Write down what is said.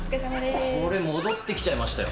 これ戻って来ちゃいましたよ。